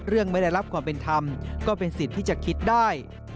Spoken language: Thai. ไม่ได้รับความเป็นธรรมก็เป็นสิทธิ์ที่จะคิดได้